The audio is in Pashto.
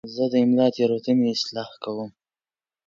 زه د املا تېروتنې اصلاح کوم.